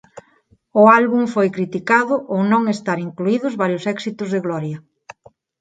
O álbum foi criticado ao non estar incluídos varios éxitos de Gloria.